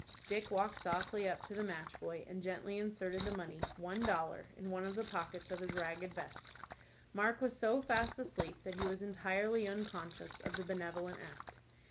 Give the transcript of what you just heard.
Dick walked softly up to the match boy, and gently inserted the money one dollar in one of the pockets of his ragged vest. Mark was so fast asleep that he was entirely unconscious of the benevolent act.